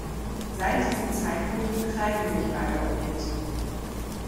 Seit diesem Zeitpunkt umkreisen sich beide Objekte.